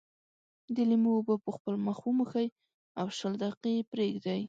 د لیمو اوبه په خپل مخ وموښئ او شل دقيقې یې پرېږدئ.